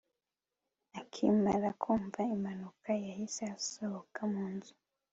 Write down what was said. akimara kumva impanuka, yahise asohoka mu nzu